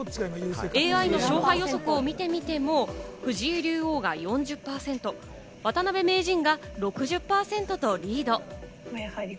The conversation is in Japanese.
ＡＩの勝敗予測を見てみても、藤井竜王が４０％、渡辺名人が６０％とリード。